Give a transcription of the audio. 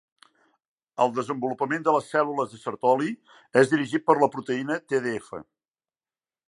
El desenvolupament de les cèl·lules de Sertoli és dirigit per la proteïna TDF.